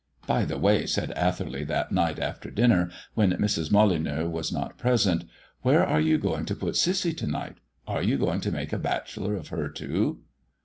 "By the way," said Atherley that night after dinner, when Mrs. Molyneux was not present, "where are you going to put Cissy to night? Are you going to make a bachelor of her too?"